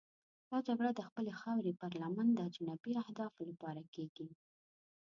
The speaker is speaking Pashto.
دا جګړه د خپلې خاورې پر لمن د اجنبي اهدافو لپاره کېږي.